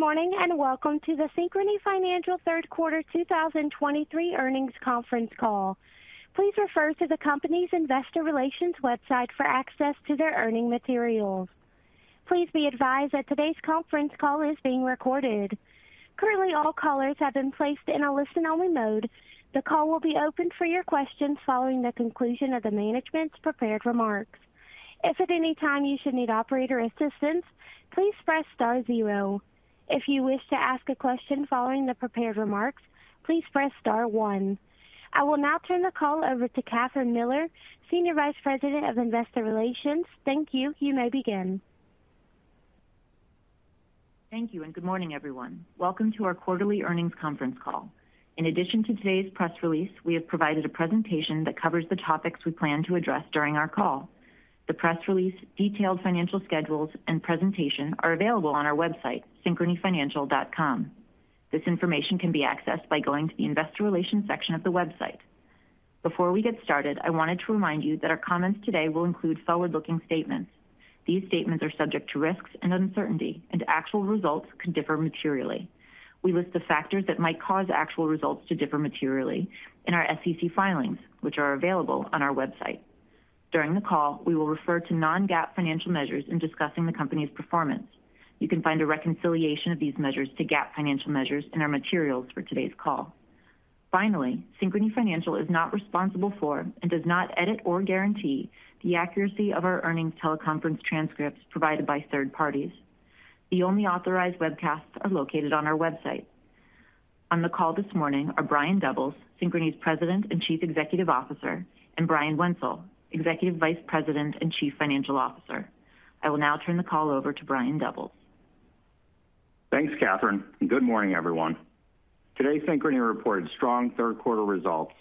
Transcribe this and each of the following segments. Good morning, and welcome to the Synchrony Financial third quarter 2023 earnings conference call. Please refer to the company's investor relations website for access to their earnings materials. Please be advised that today's conference call is being recorded. Currently, all callers have been placed in a listen-only mode. The call will be open for your questions following the conclusion of the management's prepared remarks. If at any time you should need operator assistance, please press star zero. If you wish to ask a question following the prepared remarks, please press star one. I will now turn the call over to Kathryn Miller, Senior Vice President of Investor Relations. Thank you. You may begin. Thank you, and good morning, everyone. Welcome to our quarterly earnings conference call. In addition to today's press release, we have provided a presentation that covers the topics we plan to address during our call. The press release, detailed financial schedules, and presentation are available on our website, synchronyfinancial.com. This information can be accessed by going to the Investor Relations section of the website. Before we get started, I wanted to remind you that our comments today will include forward-looking statements. These statements are subject to risks and uncertainty, and actual results could differ materially. We list the factors that might cause actual results to differ materially in our SEC filings, which are available on our website. During the call, we will refer to non-GAAP financial measures in discussing the company's performance. You can find a reconciliation of these measures to GAAP financial measures in our materials for today's call. Finally, Synchrony Financial is not responsible for and does not edit or guarantee the accuracy of our earnings teleconference transcripts provided by third parties. The only authorized webcasts are located on our website. On the call this morning are Brian Doubles, Synchrony's President and Chief Executive Officer, and Brian Wenzel, Executive Vice President and Chief Financial Officer. I will now turn the call over to Brian Doubles. Thanks, Kathryn, and good morning, everyone. Today, Synchrony reported strong third quarter results,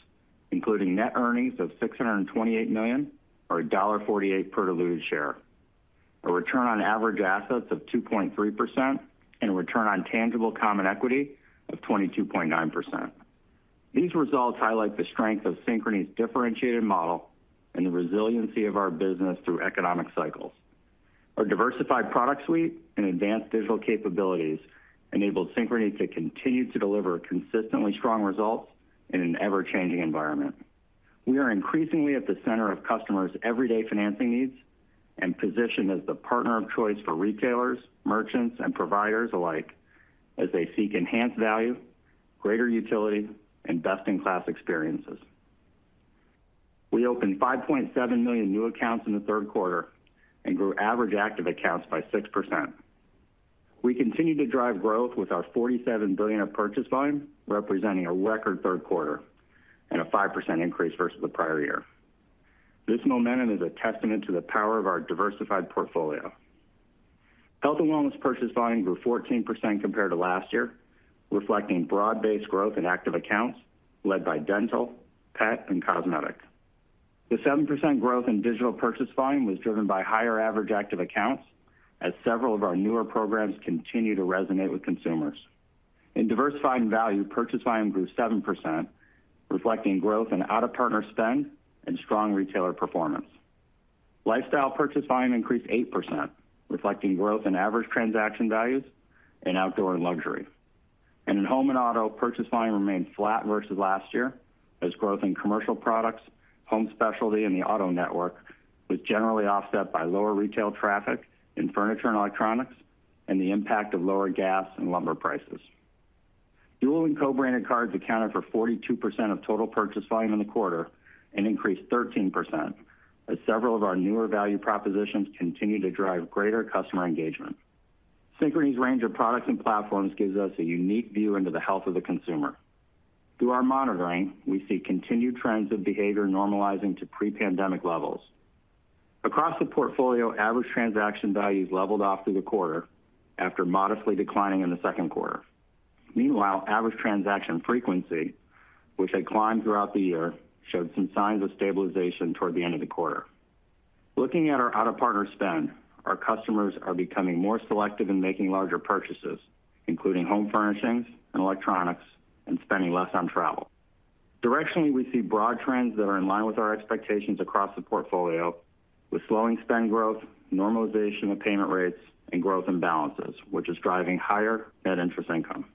including net earnings of $628 million, or $1.48 per diluted share, a return on average assets of 2.3%, and a return on tangible common equity of 22.9%. These results highlight the strength of Synchrony's differentiated model and the resiliency of our business through economic cycles. Our diversified product suite and advanced digital capabilities enabled Synchrony to continue to deliver consistently strong results in an ever-changing environment. We are increasingly at the center of customers' everyday financing needs and positioned as the partner of choice for retailers, merchants, and providers alike as they seek enhanced value, greater utility, and best-in-class experiences. We opened 5.7 million new accounts in the third quarter and grew average active accounts by 6%. We continue to drive growth with our $47 billion of purchase volume, representing a record third quarter and a 5% increase versus the prior year. This momentum is a testament to the power of our diversified portfolio. Health & Wellness purchase volume grew 14% compared to last year, reflecting broad-based growth in active accounts led by dental, pet, and cosmetic. The 7% growth in Digital purchase volume was driven by higher average active accounts, as several of our newer programs continue to resonate with consumers. In Diversified & Value, purchase volume grew 7%, reflecting growth in out-of-partner spend and strong retailer performance. Lifestyle purchase volume increased 8%, reflecting growth in average transaction values in outdoor and luxury. In Home & Auto, purchase volume remained flat versus last year, as growth in commercial products, Home Specialty, and the Auto Network was generally offset by lower retail traffic in furniture and electronics and the impact of lower gas and lumber prices. Dual and co-branded cards accounted for 42% of total purchase volume in the quarter and increased 13%, as several of our newer value propositions continue to drive greater customer engagement. Synchrony's range of products and platforms gives us a unique view into the health of the consumer. Through our monitoring, we see continued trends of behavior normalizing to pre-pandemic levels. Across the portfolio, average transaction values leveled off through the quarter after modestly declining in the second quarter. Meanwhile, average transaction frequency, which had climbed throughout the year, showed some signs of stabilization toward the end of the quarter. Looking at our out-of-partner spend, our customers are becoming more selective in making larger purchases, including home furnishings and electronics, and spending less on travel. Directionally, we see broad trends that are in line with our expectations across the portfolio, with slowing spend growth, normalization of payment rates, and growth in balances, which is driving higher net interest income.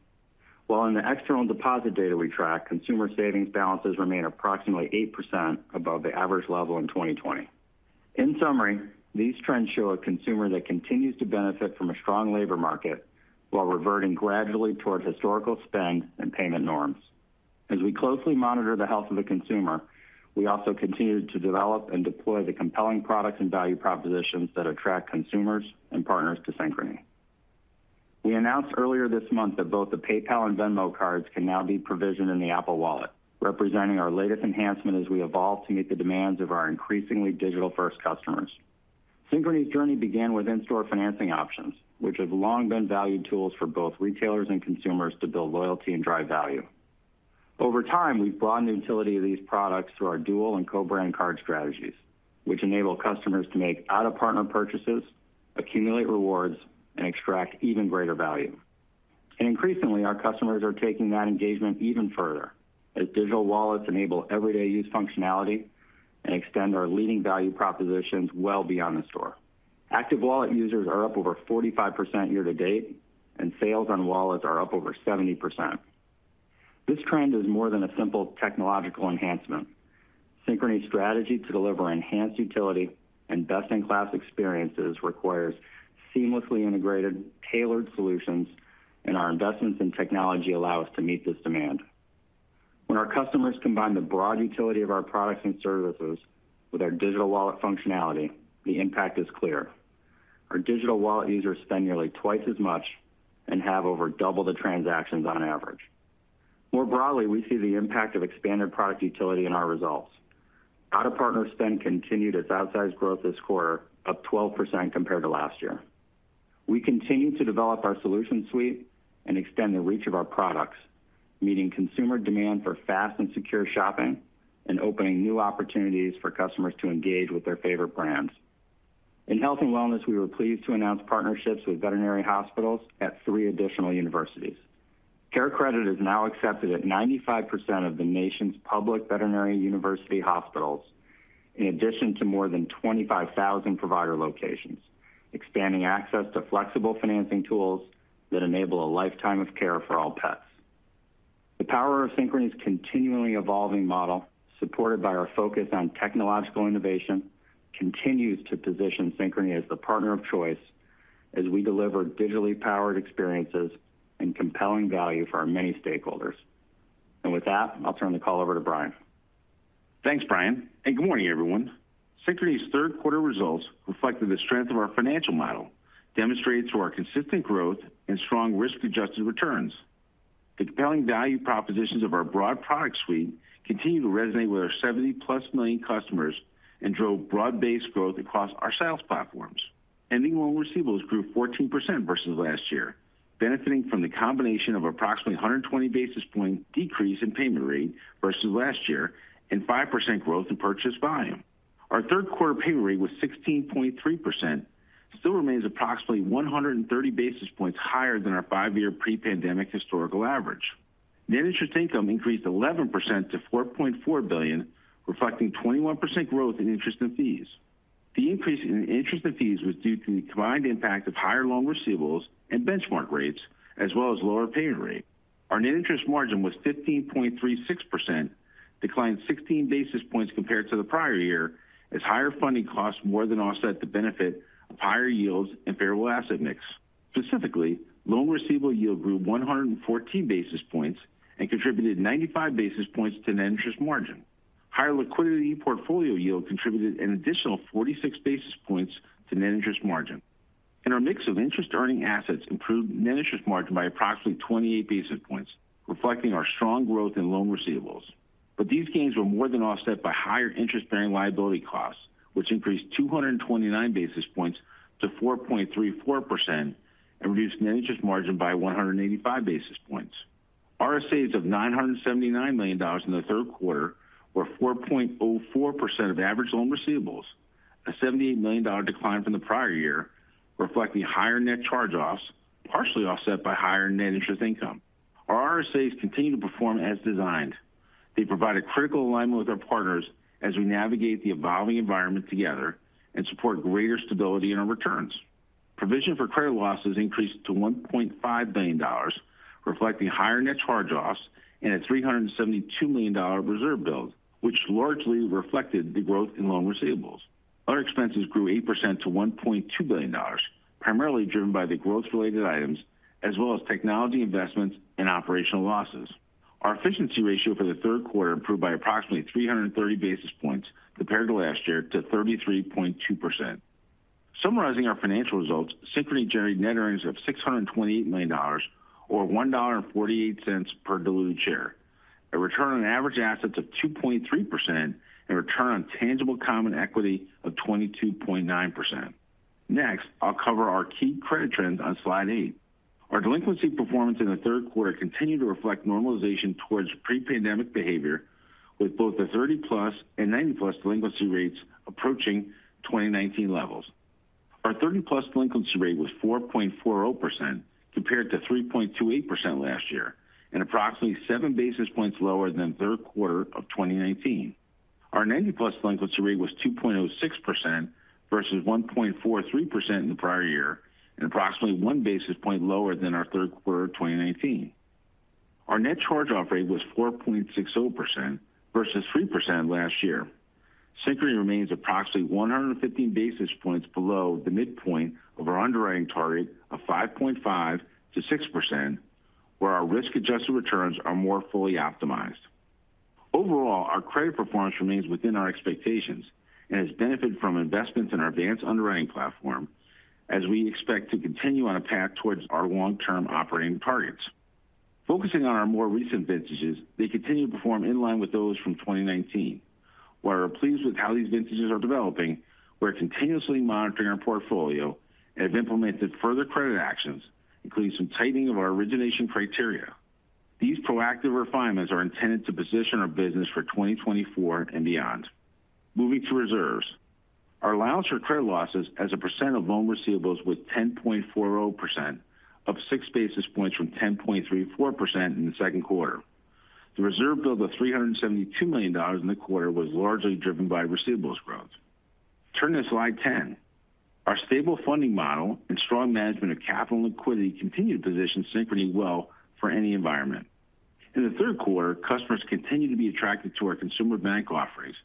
While in the external deposit data we track, consumer savings balances remain approximately 8% above the average level in 2020. In summary, these trends show a consumer that continues to benefit from a strong labor market while reverting gradually toward historical spend and payment norms. As we closely monitor the health of the consumer, we also continue to develop and deploy the compelling products and value propositions that attract consumers and partners to Synchrony. We announced earlier this month that both the PayPal and Venmo cards can now be provisioned in the Apple Wallet, representing our latest enhancement as we evolve to meet the demands of our increasingly digital-first customers. Synchrony's journey began with in-store financing options, which have long been valued tools for both retailers and consumers to build loyalty and drive value. Over time, we've broadened the utility of these products through our dual and co-brand card strategies, which enable customers to make out-of-partner purchases, accumulate rewards, and extract even greater value. Increasingly, our customers are taking that engagement even further as digital wallets enable everyday use functionality and extend our leading value propositions well beyond the store. Active wallet users are up over 45% year-to-date, and sales on wallets are up over 70%. This trend is more than a simple technological enhancement. Synchrony's strategy to deliver enhanced utility and best-in-class experiences requires seamlessly integrated, tailored solutions, and our investments in technology allow us to meet this demand. When our customers combine the broad utility of our products and services with our digital wallet functionality, the impact is clear. Our digital wallet users spend nearly twice as much and have over double the transactions on average. More broadly, we see the impact of expanded product utility in our results. Out-of-partner spend continued its outsized growth this quarter, up 12% compared to last year. We continue to develop our solution suite and extend the reach of our products, meeting consumer demand for fast and secure shopping, and opening new opportunities for customers to engage with their favorite brands. In Health & Wellness, we were pleased to announce partnerships with veterinary hospitals at three additional universities. CareCredit is now accepted at 95% of the nation's public veterinary university hospitals, in addition to more than 25,000 provider locations, expanding access to flexible financing tools that enable a lifetime of care for all pets. The power of Synchrony's continually evolving model, supported by our focus on technological innovation, continues to position Synchrony as the partner of choice as we deliver digitally powered experiences and compelling value for our many stakeholders. With that, I'll turn the call over to Brian. Thanks, Brian, and good morning, everyone. Synchrony's third quarter results reflected the strength of our financial model, demonstrated through our consistent growth and strong risk-adjusted returns. The compelling value propositions of our broad product suite continued to resonate with our 70+ million customers and drove broad-based growth across our sales platforms. Ending loan receivables grew 14% versus last year, benefiting from the combination of approximately 120 basis point decrease in payment rate versus last year and 5% growth in purchase volume. Our third quarter payment rate was 16.3%, still remains approximately 130 basis points higher than our five-year pre-pandemic historical average. Net interest income increased 11% to $4.4 billion, reflecting 21% growth in interest and fees. The increase in interest and fees was due to the combined impact of higher loan receivables and benchmark rates, as well as lower payment rate. Our net interest margin was 15.36%, declined 16 basis points compared to the prior year, as higher funding costs more than offset the benefit of higher yields and variable asset mix. Specifically, loan receivable yield grew 114 basis points and contributed 95 basis points to net interest margin. Higher liquidity portfolio yield contributed an additional 46 basis points to net interest margin, and our mix of interest-earning assets improved net interest margin by approximately 28 basis points, reflecting our strong growth in loan receivables. But these gains were more than offset by higher interest-bearing liability costs, which increased 229 basis points to 4.34% and reduced net interest margin by 185 basis points. RSAs of $979 million in the third quarter were 4.4% of average loan receivables, a $78 million decline from the prior year, reflecting higher net charge-offs, partially offset by higher net interest income. Our RSAs continue to perform as designed. They provide a critical alignment with our partners as we navigate the evolving environment together and support greater stability in our returns. Provision for credit losses increased to $1.5 billion, reflecting higher net charge-offs and a $372 million reserve build, which largely reflected the growth in loan receivables. Our expenses grew 8% to $1.2 billion, primarily driven by the growth-related items, as well as technology investments and operational losses. Our efficiency ratio for the third quarter improved by approximately 330 basis points compared to last year, to 33.2%. Summarizing our financial results, Synchrony generated net earnings of $628 million or $1.48 per diluted share, a return on average assets of 2.3%, and a return on tangible common equity of 22.9%. Next, I'll cover our key credit trends on slide eight. Our delinquency performance in the third quarter continued to reflect normalization towards pre-pandemic behavior, with both the 30+ and 90+ delinquency rates approaching 2019 levels. Our 30+ delinquency rate was 4.4% compared to 3.28% last year, and approximately 7 basis points lower than third quarter of 2019. Our 90+ delinquency rate was 2.06% versus 1.43% in the prior year, and approximately 1 basis point lower than our third quarter of 2019. Our net charge-off rate was 4.6% versus 3% last year. Synchrony remains approximately 115 basis points below the midpoint of our underwriting target of 5.5%-6%, where our risk-adjusted returns are more fully optimized. Overall, our credit performance remains within our expectations and has benefited from investments in our advanced underwriting platform as we expect to continue on a path towards our long-term operating targets. Focusing on our more recent vintages, they continue to perform in line with those from 2019. While we're pleased with how these vintages are developing, we're continuously monitoring our portfolio and have implemented further credit actions, including some tightening of our origination criteria. These proactive refinements are intended to position our business for 2024 and beyond. Moving to reserves. Our allowance for credit losses as a percent of loan receivables was 10.40%, up 6 basis points from 10.34% in the second quarter. The reserve build of $372 million in the quarter was largely driven by receivables growth. Turn to slide 10. Our stable funding model and strong management of capital and liquidity continue to position Synchrony well for any environment. In the third quarter, customers continued to be attracted to our consumer bank offerings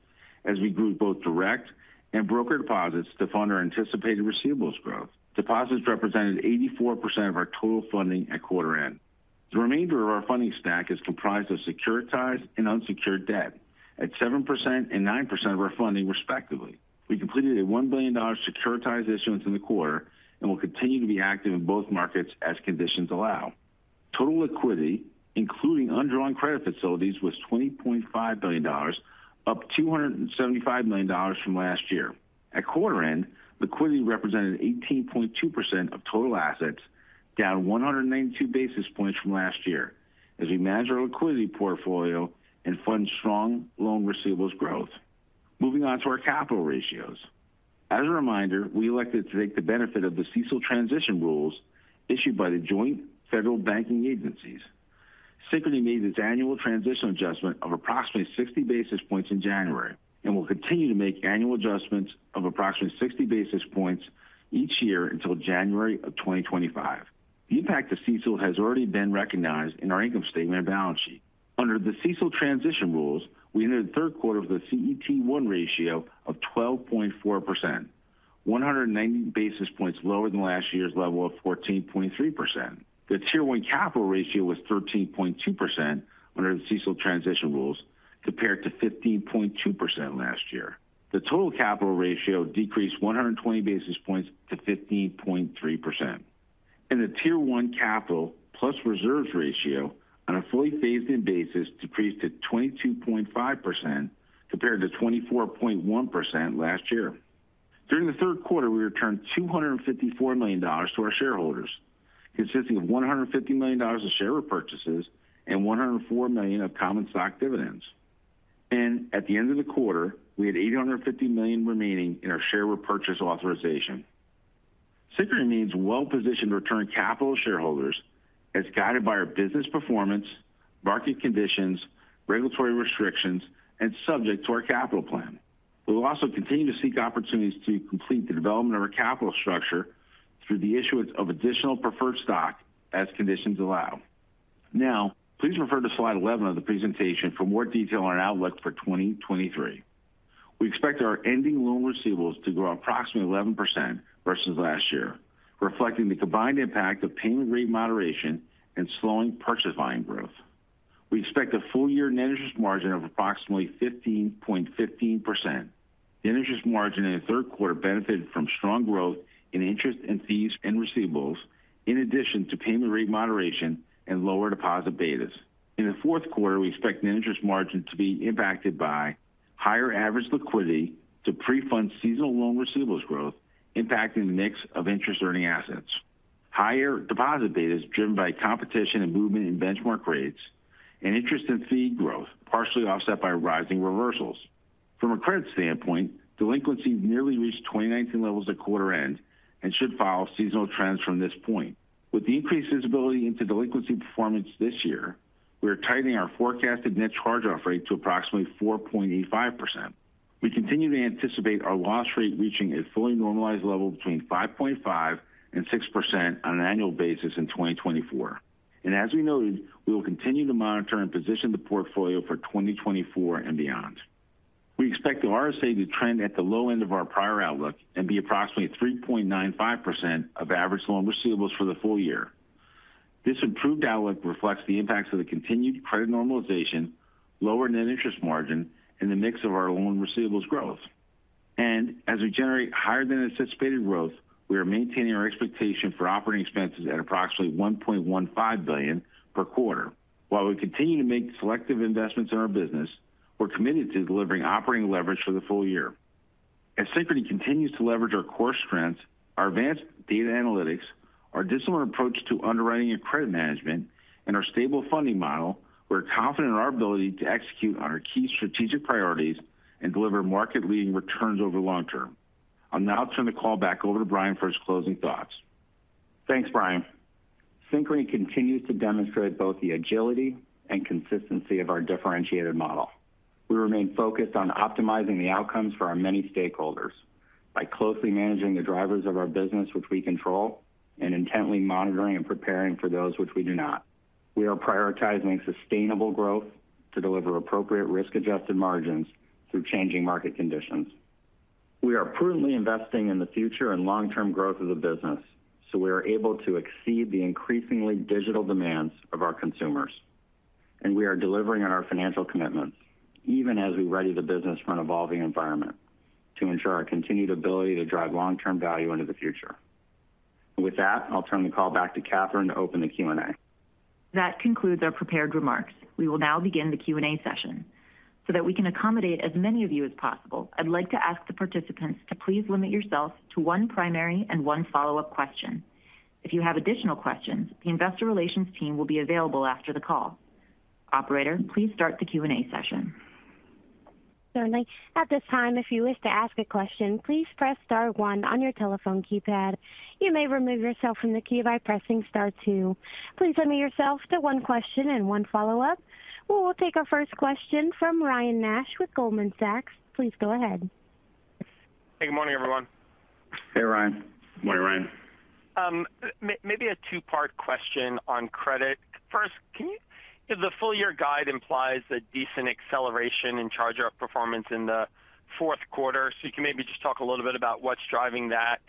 as we grew both direct and broker deposits to fund our anticipated receivables growth. Deposits represented 84% of our total funding at quarter end. The remainder of our funding stack is comprised of securitized and unsecured debt at 7% and 9% of our funding, respectively. We completed a $1 billion securitized issuance in the quarter, and will continue to be active in both markets as conditions allow. Total liquidity, including undrawn credit facilities, was $20.5 billion, up $275 million from last year. At quarter end, liquidity represented 18.2% of total assets, down 192 basis points from last year, as we managed our liquidity portfolio and fund strong loan receivables growth. Moving on to our capital ratios. As a reminder, we elected to take the benefit of the CECL transition rules issued by the joint federal banking agencies. Synchrony made its annual transition adjustment of approximately 60 basis points in January, and will continue to make annual adjustments of approximately 60 basis points each year until January of 2025. The impact of CECL has already been recognized in our income statement and balance sheet. Under the CECL transition rules, we ended the third quarter with a CET1 ratio of 12.4%, 190 basis points lower than last year's level of 14.3%. The Tier 1 capital ratio was 13.2% under the CECL transition rules, compared to 15.2% last year. The total capital ratio decreased 120 basis points to 15.3%. The Tier 1 capital plus reserves ratio on a fully phased-in basis decreased to 22.5%, compared to 24.1% last year. During the third quarter, we returned $254 million to our shareholders, consisting of $150 million of share repurchases and $104 million of common stock dividends. At the end of the quarter, we had $850 million remaining in our share repurchase authorization. Synchrony remains well-positioned to return capital to shareholders as guided by our business performance, market conditions, regulatory restrictions, and subject to our capital plan. We will also continue to seek opportunities to complete the development of our capital structure through the issuance of additional preferred stock as conditions allow. Now, please refer to slide 11 of the presentation for more detail on our outlook for 2023. We expect our ending loan receivables to grow approximately 11% versus last year, reflecting the combined impact of payment rate moderation and slowing purchase volume growth. We expect a full-year net interest margin of approximately 15.15%. The interest margin in the third quarter benefited from strong growth in interest and fees and receivables, in addition to payment rate moderation and lower deposit betas. In the fourth quarter, we expect net interest margin to be impacted by higher average liquidity to pre-fund seasonal loan receivables growth, impacting the mix of interest-earning assets. Higher deposit betas, driven by competition and movement in benchmark rates, and interest and fee growth, partially offset by rising reversals. From a credit standpoint, delinquency nearly reached 2019 levels at quarter end and should follow seasonal trends from this point. With the increased visibility into delinquency performance this year, we are tightening our forecasted net charge-off rate to approximately 4.85%. We continue to anticipate our loss rate reaching a fully normalized level between 5.5% and 6% on an annual basis in 2024. As we noted, we will continue to monitor and position the portfolio for 2024 and beyond. We expect the RSA to trend at the low end of our prior outlook and be approximately 3.95% of average loan receivables for the full year. This improved outlook reflects the impacts of the continued credit normalization, lower net interest margin, and the mix of our loan receivables growth. As we generate higher-than-anticipated growth, we are maintaining our expectation for operating expenses at approximately $1.15 billion per quarter. While we continue to make selective investments in our business, we're committed to delivering operating leverage for the full year. As Synchrony continues to leverage our core strengths, our advanced data analytics, our disciplined approach to underwriting and credit management, and our stable funding model, we're confident in our ability to execute on our key strategic priorities and deliver market-leading returns over the long term. I'll now turn the call back over to Brian for his closing thoughts. Thanks, Brian. Synchrony continues to demonstrate both the agility and consistency of our differentiated model. We remain focused on optimizing the outcomes for our many stakeholders by closely managing the drivers of our business which we control, and intently monitoring and preparing for those which we do not. We are prioritizing sustainable growth to deliver appropriate risk-adjusted margins through changing market conditions. We are prudently investing in the future and long-term growth of the business, so we are able to exceed the increasingly digital demands of our consumers and we are delivering on our financial commitments, even as we ready the business for an evolving environment to ensure our continued ability to drive long-term value into the future. With that, I'll turn the call back to Kathryn to open the Q&A. That concludes our prepared remarks. We will now begin the Q&A session. So that we can accommodate as many of you as possible, I'd like to ask the participants to please limit yourself to one primary and one follow-up question. If you have additional questions, the investor relations team will be available after the call. Operator, please start the Q&A session. Certainly. At this time, if you wish to ask a question, please press star one on your telephone keypad. You may remove yourself from the queue by pressing star two. Please limit yourself to one question and one follow-up. We'll take our first question from Ryan Nash with Goldman Sachs. Please go ahead. Good morning, everyone. Hey, Ryan. Good morning, Ryan. Maybe a two-part question on credit. First, the full year guide implies a decent acceleration in charge-off performance in the fourth quarter. So you can maybe just talk a little bit about what's driving that.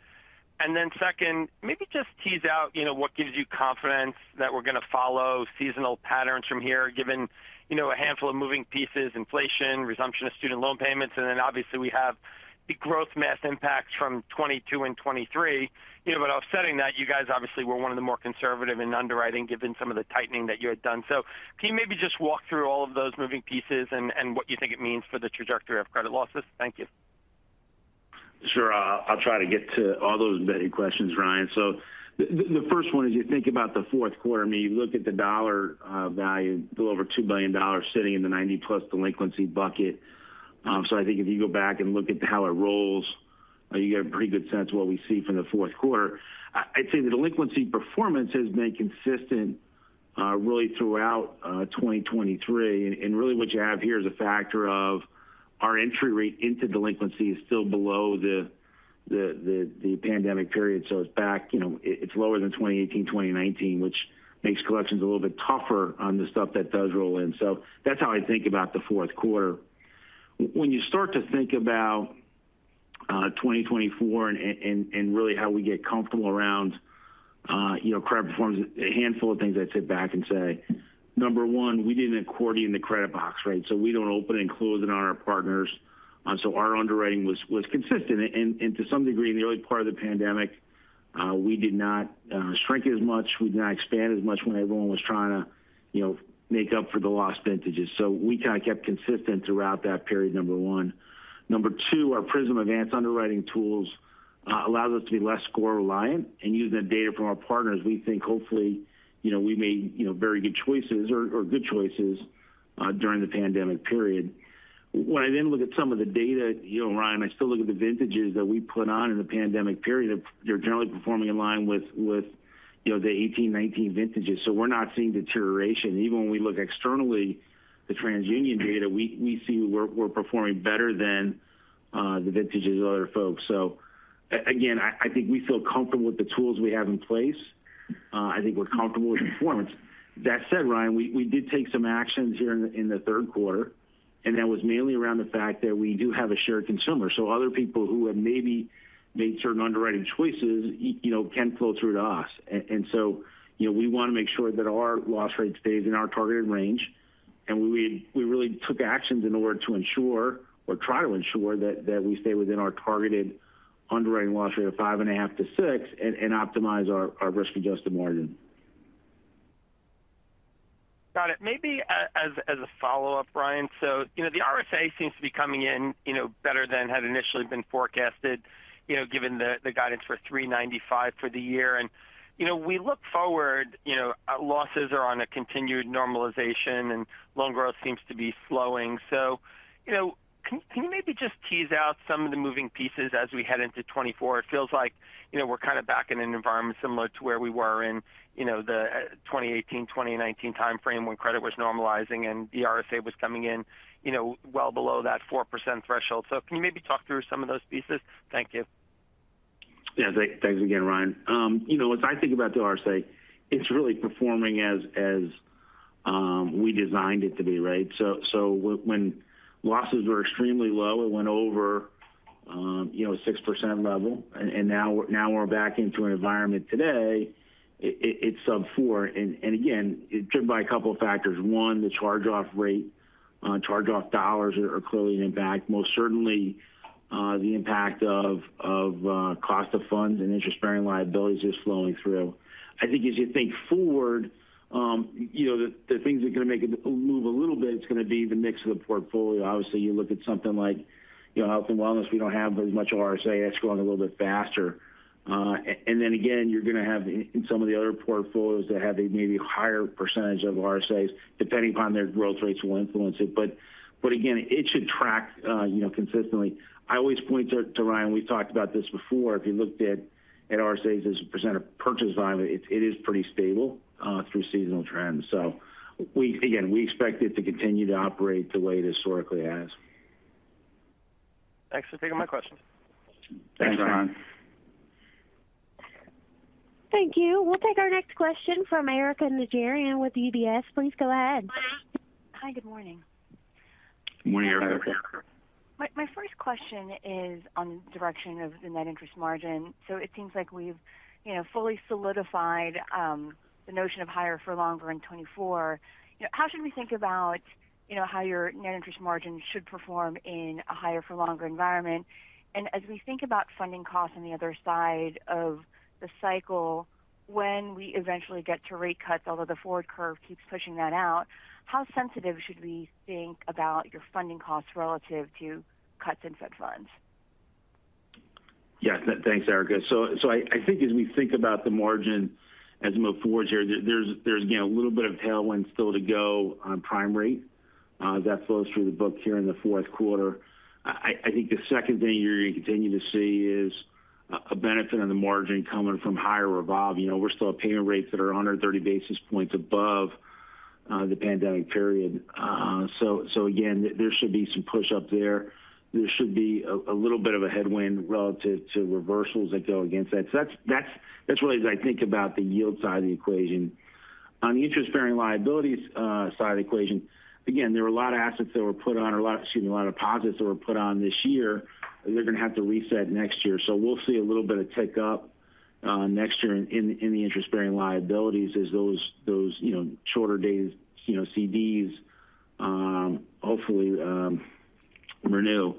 Then second, maybe just tease out, you know, what gives you confidence that we're going to follow seasonal patterns from here, given, you know, a handful of moving pieces: inflation, resumption of student loan payments, and then obviously, we have the growth math impacts from 2022 and 2023. You know, but offsetting that, you guys obviously were one of the more conservative in underwriting, given some of the tightening that you had done. So can you maybe just walk through all of those moving pieces and what you think it means for the trajectory of credit losses? Thank you. Sure. I'll try to get to all those burning questions, Ryan. So the first one is, you think about the fourth quarter, I mean, you look at the dollar value, little over $2 billion sitting in the 90+ delinquency bucket. So I think if you go back and look at how it rolls, you get a pretty good sense of what we see from the fourth quarter. I'd say the delinquency performance has been consistent, really throughout 2023. Really what you have here is a factor of our entry rate into delinquency is still below the pandemic period. So it's back, you know, it's lower than 2018, 2019, which makes collections a little bit tougher on the stuff that does roll in. So that's how I think about the fourth quarter. When you start to think about 2024 and really how we get comfortable around, you know, credit performance, a handful of things I'd sit back and say: number one, we didn't accordion the credit box, right? So we don't open and close in on our partners. So our underwriting was consistent. To some degree, in the early part of the pandemic, we did not shrink as much, we did not expand as much when everyone was trying to, you know, make up for the lost vintages. So we kind of kept consistent throughout that period, number one. Number two, our PRISM advanced underwriting tools allows us to be less score reliant and use the data from our partners. We think, hopefully, you know, we made, you know, very good choices or good choices during the pandemic period. When I then look at some of the data, you know, Ryan, I still look at the vintages that we put on in the pandemic period. They're generally performing in line with, with, you know, the 18, 19 vintages, so we're not seeing deterioration. Even when we look externally, the TransUnion data, we see we're performing better than the vintages of other folks. So again, I think we feel comfortable with the tools we have in place. I think we're comfortable with performance. That said, Ryan, we did take some actions here in the, in the third quarter, and that was mainly around the fact that we do have a shared consumer. So other people who have maybe made certain underwriting choices, you know, can flow through to us. So, you know, we want to make sure that our loss rate stays in our targeted range, and we really took actions in order to ensure or try to ensure that we stay within our targeted underwriting loss rate of 5.5-6, and optimize our risk-adjusted margin. Got it. Maybe as a follow-up, Brian. So, you know, the RSA seems to be coming in, you know, better than had initially been forecasted, you know, given the guidance for 3.95 for the year, and, you know, we look forward, you know, losses are on a continued normalization, and loan growth seems to be slowing. So, you know, can you maybe just tease out some of the moving pieces as we head into 2024? It feels like, you know, we're kind of back in an environment similar to where we were in, you know, the 2018, 2019 timeframe, when credit was normalizing and the RSA was coming in, you know, well below that 4% threshold. So can you maybe talk through some of those pieces? Thank you. Yeah. Thanks again, Ryan. You know, as I think about the RSA, it's really performing as we designed it to be, right? So when losses were extremely low, it went over 6% level, and now we're back into an environment today, it's sub-4%. Again, it's driven by a couple factors. One, the charge-off rate. Charge-off dollars are clearly an impact. Most certainly, the impact of cost of funds and interest-bearing liabilities is flowing through. I think as you think forward, you know, the things that are going to make it move a little bit, it's going to be the mix of the portfolio. Obviously, you look at something like Health & Wellness, we don't have as much RSA. It's growing a little bit faster. Then again, you're going to have in some of the other portfolios that have a maybe higher percentage of RSAs, depending upon their growth rates, will influence it. But again, it should track, you know, consistently. I always point to Ryan, we've talked about this before. If you looked at RSAs as a percent of purchase volume, it is pretty stable through seasonal trends. So again, we expect it to continue to operate the way it historically has. Thanks for taking my question. Thanks, Ryan. Thank you. We'll take our next question from Erika Najarian with UBS. Please go ahead. Hi, good morning. Good morning, Erika. My first question is on the direction of the net interest margin. So it seems like we've, you know, fully solidified the notion of higher for longer in 2024. You know, how should we think about, you know, how your net interest margin should perform in a higher for longer environment? As we think about funding costs on the other side of the cycle, when we eventually get to rate cuts, although the forward curve keeps pushing that out, how sensitive should we think about your funding costs relative to cuts in Fed funds? Yes, thanks, Erika. So I think as we think about the margin as we move forward here, there's, you know, a little bit of tailwind still to go on prime rate that flows through the books here in the fourth quarter. I think the second thing you're going to continue to see is a benefit on the margin coming from higher revolve. You know, we're still paying rates that are 130 basis points above the pandemic period. So again, there should be some pushup there. There should be a little bit of a headwind relative to reversals that go against that. So that's really as I think about the yield side of the equation. On the interest-bearing liabilities side of the equation, again, there were a lot of deposits that were put on this year, and they're going to have to reset next year. So we'll see a little bit of tick up next year in the interest-bearing liabilities as those you know shorter days you know CDs hopefully renew.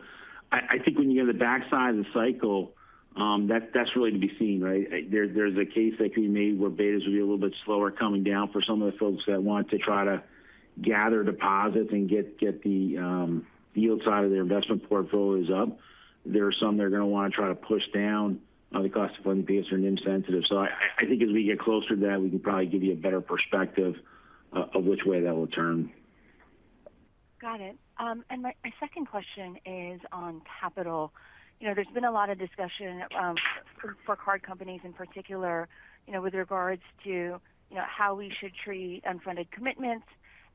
I think when you get on the back side of the cycle, that's really to be seen, right? There's a case that can be made where betas will be a little bit slower coming down for some of the folks that want to try to gather deposits and get the yield side of their investment portfolios up. There are some that are going to want to try to push down the cost of funding because they're an incentive. So I think as we get closer to that, we can probably give you a better perspective of which way that will turn. Got it. My second question is on capital. You know, there's been a lot of discussion, for card companies in particular, you know, with regards to, you know, how we should treat unfunded commitments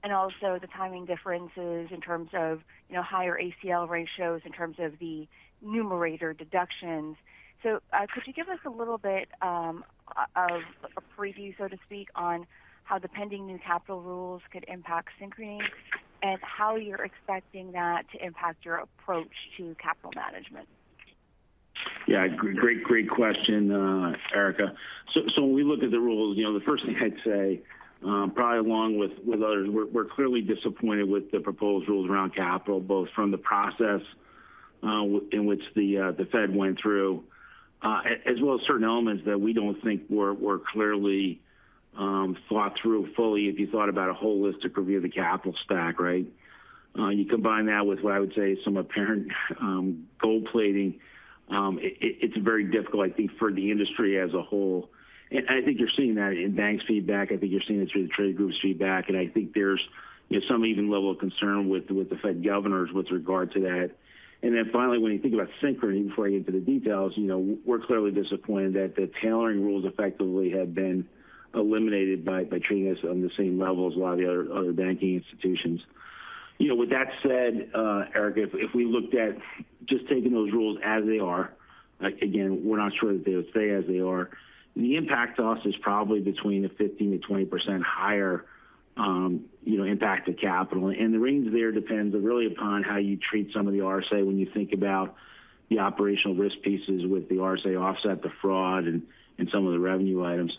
and also the timing differences in terms of, you know, higher ACL ratios, in terms of the numerator deductions. So, could you give us a little bit of a preview, so to speak, on how the pending new capital rules could impact Synchrony, and how you're expecting that to impact your approach to capital management? Yeah, great question, Erika. So, when we look at the rules, you know, the first thing I'd say, probably along with others, we're clearly disappointed with the proposed rules around capital, both from the process in which the Fed went through, as well as certain elements that we don't think were clearly thought through fully if you thought about a holistic review of the capital stack, right? You combine that with what I would say, some apparent gold plating, it's very difficult, I think, for the industry as a whole. I think you're seeing that in banks' feedback, I think you're seeing it through the trade groups' feedback, and I think there's, you know, some even level of concern with the Fed governors with regard to that. Then finally, when you think about Synchrony, before I get into the details, you know, we're clearly disappointed that the tailoring rules effectively have been eliminated by treating us on the same level as a lot of the other banking institutions. You know, with that said, Erika, if we looked at just taking those rules as they are, again, we're not sure that they would stay as they are. The impact to us is probably between a 15%-20% higher impact to capital and the range there depends really upon how you treat some of the RSA when you think about the operational risk pieces with the RSA offset, the fraud, and some of the revenue items.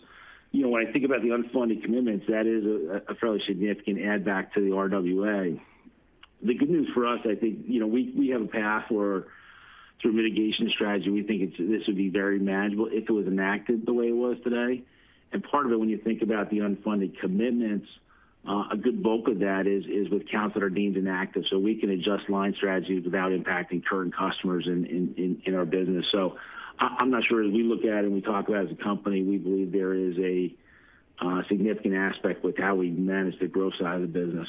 You know, when I think about the unfunded commitments, that is a fairly significant add back to the RWA. The good news for us, I think, you know, we have a path where through a mitigation strategy, we think it's this would be very manageable if it was enacted the way it was today and part of it, when you think about the unfunded commitments, a good bulk of that is with accounts that are deemed inactive. So we can adjust line strategies without impacting current customers in our business. So I'm not sure as we look at it and we talk about it as a company, we believe there is a significant aspect with how we manage the growth side of the business.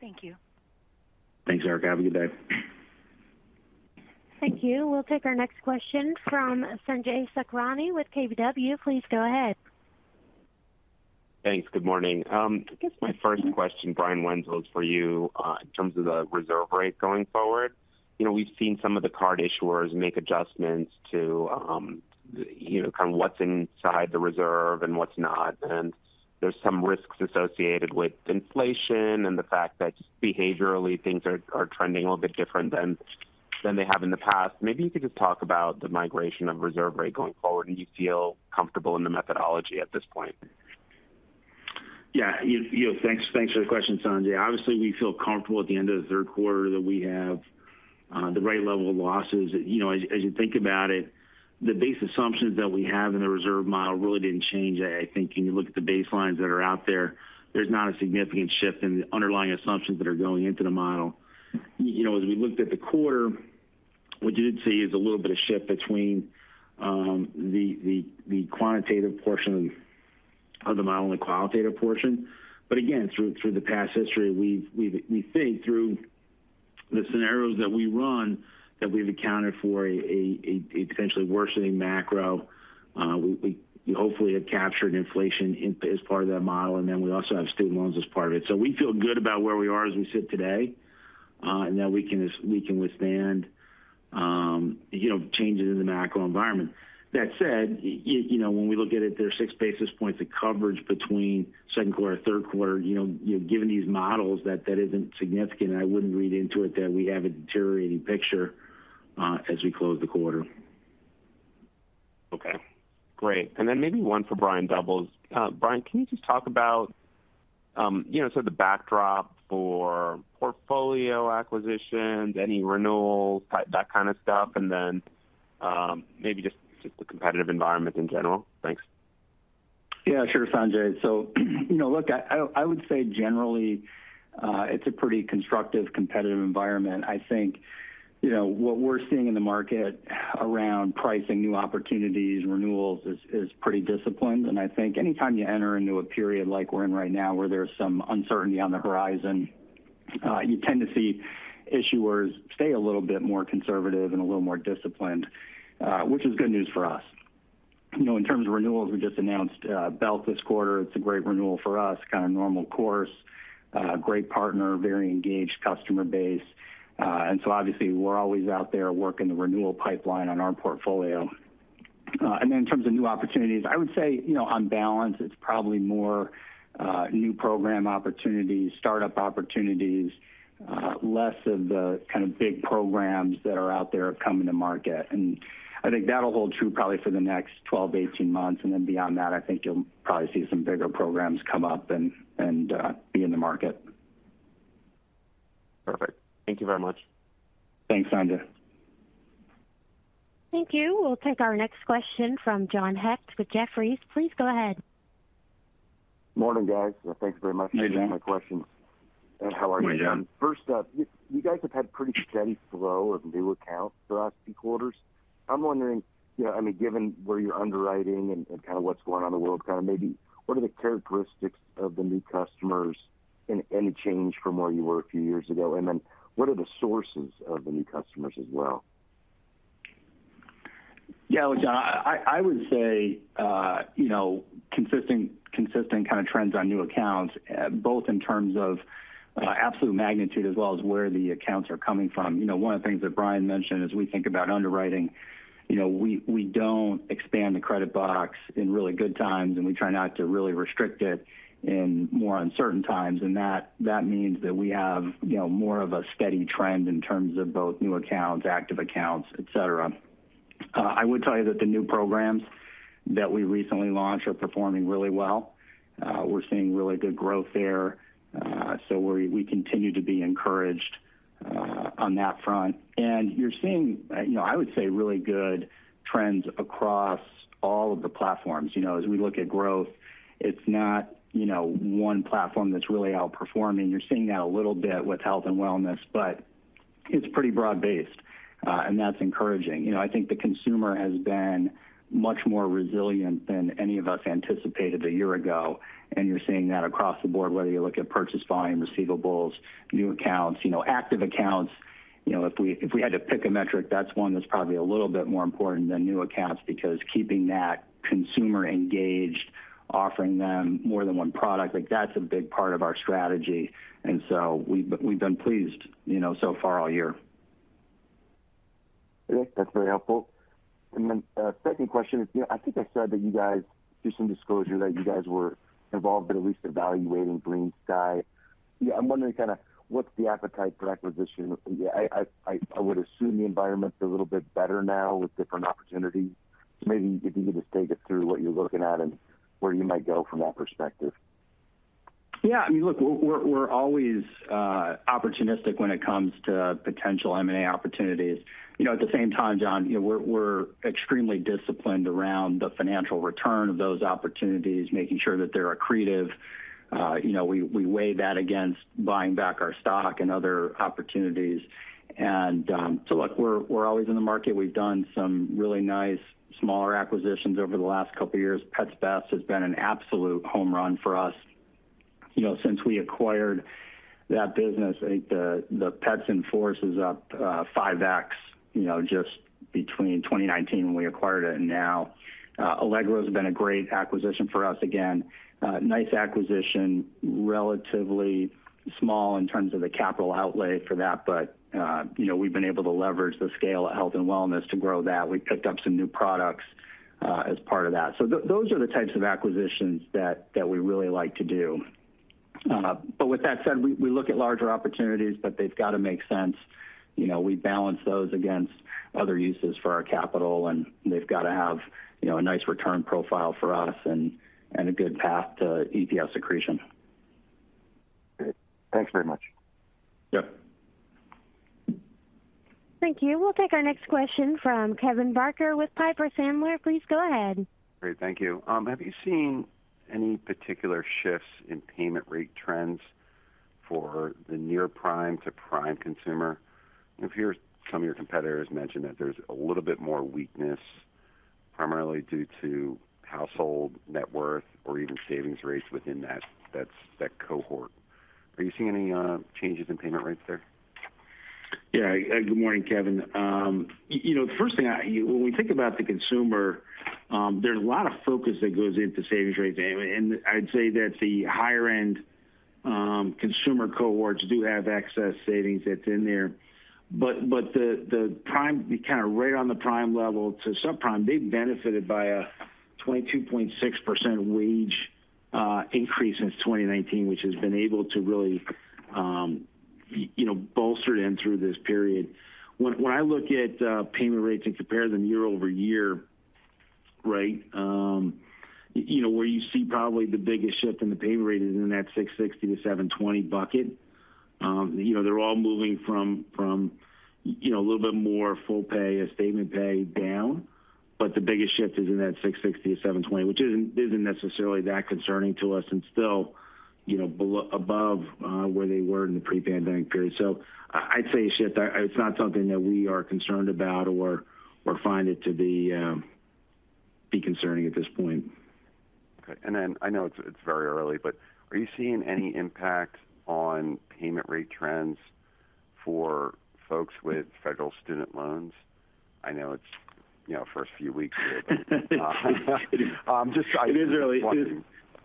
Thank you. Thanks, Erika. Have a good day. Thank you. We'll take our next question from Sanjay Sakhrani with KBW. Please go ahead. Thanks. Good morning. My first question, Brian Wenzel, is for you, in terms of the reserve rate going forward. You know, we've seen some of the card issuers make adjustments to, you know, kind of what's inside the reserve and what's not, and there's some risks associated with inflation and the fact that behaviorally, things are trending a little bit different than they have in the past. Maybe you could just talk about the migration of reserve rate going forward, and you feel comfortable in the methodology at this point. Yeah, you know, thanks for the question, Sanjay. Obviously, we feel comfortable at the end of the third quarter that we have the right level of losses. You know, as you think about it, the base assumptions that we have in the reserve model really didn't change. I think when you look at the baselines that are out there, there's not a significant shift in the underlying assumptions that are going into the model. You know, as we looked at the quarter, what you did see is a little bit of shift between the quantitative portion of the model and the qualitative portion. But again, through the past history, we think through the scenarios that we run, that we've accounted for a potentially worsening macro. We hopefully have captured inflation in as part of that model, and then we also have student loans as part of it. So we feel good about where we are as we sit today, and that we can withstand, you know, changes in the macro environment. That said, you know, when we look at it, there are six basis points of coverage between second quarter, third quarter. You know, given these models, that isn't significant, and I wouldn't read into it that we have a deteriorating picture as we close the quarter. Okay, great. Then maybe one for Brian Doubles. Brian, can you just talk about, you know, sort of the backdrop for portfolio acquisitions, any renewals, that kind of stuff, and then, maybe just the competitive environment in general? Thanks. Yeah, sure, Sanjay. So you know, look, I would say generally, it's a pretty constructive, competitive environment. I think, you know, what we're seeing in the market around pricing, new opportunities, renewals is pretty disciplined and I think anytime you enter into a period like we're in right now, where there's some uncertainty on the horizon, you tend to see issuers stay a little bit more conservative and a little more disciplined, which is good news for us. You know, in terms of renewals, we just announced Belk this quarter. It's a great renewal for us, kind of normal course, a great partner, very engaged customer base. So obviously, we're always out there working the renewal pipeline on our portfolio. Then in terms of new opportunities, I would say, you know, on balance, it's probably more new program opportunities, startup opportunities, less of the kind of big programs that are out there coming to market and I think that'll hold true probably for the next 12-18 months. Then beyond that, I think you'll probably see some bigger programs come up and be in the market. Perfect. Thank you very much. Thanks, Sanjay. Thank you. We'll take our next question from John Hecht with Jefferies. Please go ahead. Morning, guys. Thanks very much- Hey, John. For taking my questions and how are you? Hey, John. First up, you guys have had pretty steady flow of new accounts the last few quarters. I'm wondering, you know, I mean, given where you're underwriting and kind of what's going on in the world, kind of maybe what are the characteristics of the new customers and any change from where you were a few years ago? Then what are the sources of the new customers as well? Yeah, well, John, I would say, you know, consistent, consistent kind of trends on new accounts, both in terms of absolute magnitude as well as where the accounts are coming from. You know, one of the things that Brian mentioned as we think about underwriting, you know, we, we don't expand the credit box in really good times, and we try not to really restrict it in more uncertain times. That means that we have, you know, more of a steady trend in terms of both new accounts, active accounts, et cetera. I would tell you that the new programs that we recently launched are performing really well. We're seeing really good growth there, so we continue to be encouraged on that front. You're seeing, you know, I would say, really good trends across all of the platforms. You know, as we look at growth, it's not, you know, one platform that's really outperforming. You're seeing that a little bit with Health & Wellness, but it's pretty broad-based, and that's encouraging. You know, I think the consumer has been much more resilient than any of us anticipated a year ago, and you're seeing that across the board, whether you look at purchase volume, receivables, new accounts, you know, active accounts. You know, if we had to pick a metric, that's one that's probably a little bit more important than new accounts, because keeping that consumer engaged, offering them more than one product, like, that's a big part of our strategy, and so we've been pleased, you know, so far all year. Great. That's very helpful. Then, second question is, you know, I think I said that you guys did some disclosure that you guys were involved in at least evaluating GreenSky. Yeah, I'm wondering kind of what's the appetite for acquisition? Yeah, I would assume the environment's a little bit better now with different opportunities. So maybe if you could just take us through what you're looking at and where you might go from that perspective. Yeah, I mean, look, we're always opportunistic when it comes to potential M&A opportunities. You know, at the same time, John, you know, we're, we're extremely disciplined around the financial return of those opportunities, making sure that they're accretive. You know, we weigh that against buying back our stock and other opportunities. So look, we're always in the market. We've done some really nice smaller acquisitions over the last couple of years. Pets Best has been an absolute home run for us. You know, since we acquired that business, I think the pets in force up 5x, you know, just between 2019 when we acquired it and now. Allegro has been a great acquisition for us. Again, nice acquisition, relatively small in terms of the capital outlay for that, but, you know, we've been able to leverage the scale of Health & Wellness to grow that. We've picked up some new products, as part of that. So those are the types of acquisitions that we really like to do. But with that said, we look at larger opportunities, but they've got to make sense. You know, we balance those against other uses for our capital, and they've got to have, you know, a nice return profile for us and a good path to EPS accretion. Great. Thanks very much. Yep. Thank you. We'll take our next question from Kevin Barker with Piper Sandler. Please go ahead. Great. Thank you. Have you seen any particular shifts in payment rate trends for the near prime to prime consumer? If you hear some of your competitors mention that there's a little bit more weakness, primarily due to household net worth or even savings rates within that cohort. Are you seeing any changes in payment rates there? Yeah. Good morning, Kevin. You know, when we think about the consumer, there's a lot of focus that goes into savings rates, and I'd say that the higher end consumer cohorts do have excess savings that's in there. But the prime, kind of right on the prime level to subprime, they benefited by a 22.6% wage increase since 2019, which has been able to really you know bolster them through this period. When I look at payment rates and compare them year-over-year, right, you know, where you see probably the biggest shift in the payment rate is in that 660-720 bucket. You know, they're all moving from you know, a little bit more full pay, a statement pay down. But the biggest shift is in that 660-720, which isn't necessarily that concerning to us, and still, you know, below - above where they were in the pre-pandemic period. So I'd say, shift, it's not something that we are concerned about or find it to be concerning at this point. Okay. Then I know it's very early, but are you seeing any impact on payment rate trends for folks with federal student loans? I know it's, you know, first few weeks here, but just- It is early.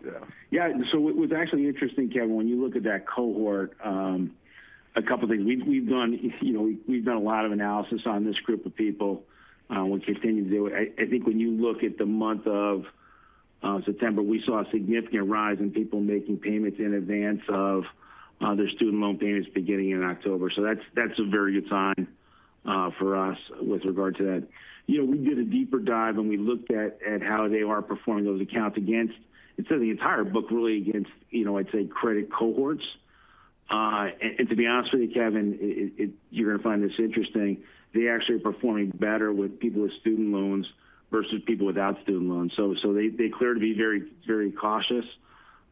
Yeah. Yeah, so what's actually interesting, Kevin, when you look at that cohort, a couple of things. We've done, you know, we've done a lot of analysis on this group of people. We'll continue to do it. I think when you look at the month of September, we saw a significant rise in people making payments in advance of their student loan payments beginning in October. So that's a very good sign for us with regard to that. You know, we did a deeper dive, and we looked at how they are performing those accounts against, and so the entire book really against, you know, I'd say, credit cohorts and to be honest with you, Kevin, you're going to find this interesting. They actually are performing better with people with student loans versus people without student loans. They clear to be very, very cautious.